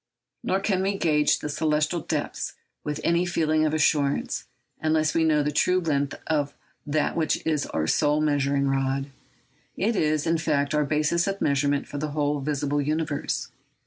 Nor can we gauge the celestial depths with any feeling of assurance, unless we know the true length of that which is our sole measuring rod. It is, in fact, our basis of measurement for the whole visible universe.